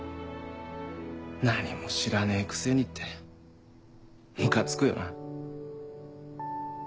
何も知らねえくせにってムカつくよな。